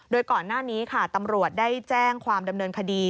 โดยก่อนหน้านี้ค่ะตำรวจได้แจ้งความดำเนินคดี